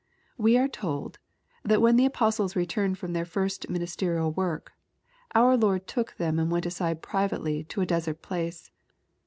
We are told, that when the apostles returned from their first ministerial work, our Lord "took them and went aside privately into a desert place."